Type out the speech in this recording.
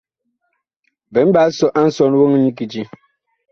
Bi mɓɛ a nsɔn woŋ nyi kiti.